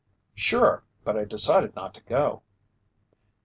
"Sure, but I decided not to go."